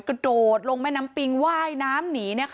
กระโดดลงแม่น้ำปิงไหว้น้ำหนีเนี่ยค่ะ